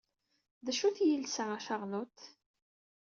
D acu-t yiles-a a Charlotte?